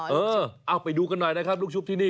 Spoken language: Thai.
เออเอาไปดูกันหน่อยนะครับลูกชุบที่นี่